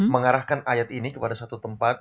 mengarahkan ayat ini kepada satu tempat